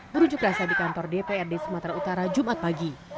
berunjuk rasa di kantor dprd sumatera utara jumat pagi